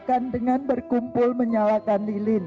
makan dengan berkumpul menyalakan lilin